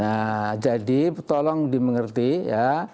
nah jadi tolong dimengerti ya